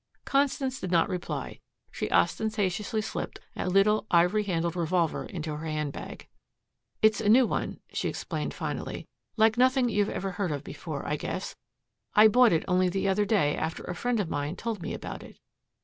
Constance did not reply. She ostentatiously slipped a little ivory handled revolver into her handbag. "It's a new one," she explained finally, "like nothing you ever heard of before, I guess. I bought it only the other day after a friend of mine told me about it."